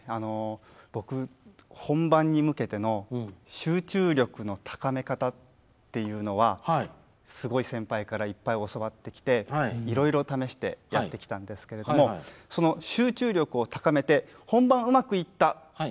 僕本番に向けての集中力の高め方っていうのはすごい先輩からいっぱい教わってきていろいろ試してやってきたんですけれどもその集中力を高めて本番うまくいった。